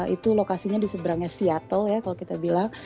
itu lokasinya diseberangnya seattle ya kalau kita bilang